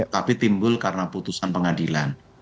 tapi timbul karena putusan pengadilan